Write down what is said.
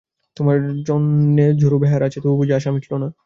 তোমার জন্যে ঝড়ু বেহারা আছে, তবু বুঝি আশা মিটল না?